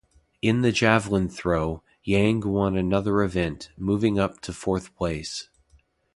In the javelin throw, Yang won another event, moving up to fourth place.